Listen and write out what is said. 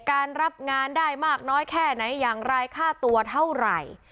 การรับงานได้มากน้อยแค่ไหนอย่างไรค่าตัวเท่าไหร่